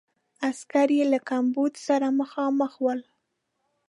عسکر یې له کمبود سره مخامخ ول.